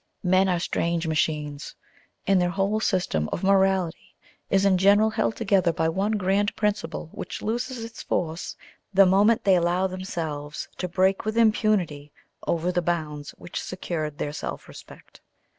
Men are strange machines; and their whole system of morality is in general held together by one grand principle which loses its force the moment they allow themselves to break with impunity over the bounds which secured their self respect.